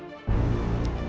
aku mau jadi pria